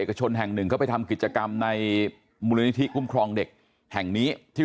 เอกชนแห่งหนึ่งเขาไปทำกิจกรรมในมูลนิธิคุ้มครองเด็กแห่งนี้ที่